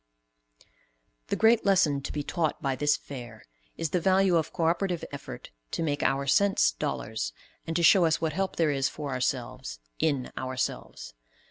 ] The great lesson to be taught by this Fair is the value of co operative effort to make our cents dollars, and to show us what help there is for ourselves in ourselves.